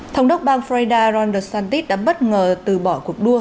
thống đốc bang freda ron desantis đã bất ngờ từ bỏ cuộc đua